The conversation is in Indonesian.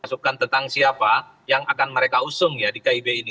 masukan tentang siapa yang akan mereka usung ya di kib ini